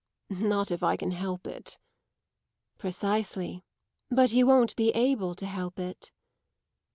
"Not if I can help it." "Precisely. But you won't be able to help it."